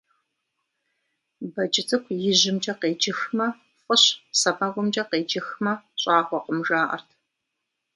Бэдж цӀыкӀу ижьымкӀэ къеджыхмэ, фӀыщ, сэмэгумкӀэ къеджыхмэ, щӀагъуэкъым, жаӀэрт.